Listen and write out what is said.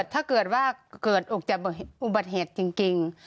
ถ้าเกิดว่าเกิดจากอุบัติเหตุจริง